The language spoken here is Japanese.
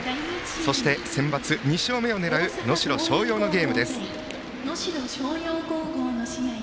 そして、センバツ２勝目を狙う能代松陽のゲームです。